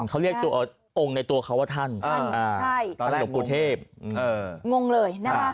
เขาเรียกตัวองค์ในตัวเขาว่าท่านท่านหลวงปู่เทพงงเลยนะคะ